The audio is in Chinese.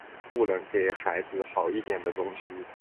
不能给孩子好一点的东西